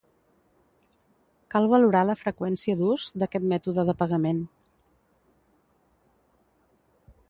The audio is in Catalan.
Cal valorar la freqüència d'ús d'aquest mètode de pagament.